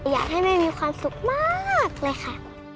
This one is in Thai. อยากให้แม่มีความสุขมากเลยค่ะ